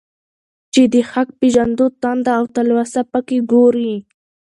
چي د حق پېژندو تنده او تلوسه په كي گورې.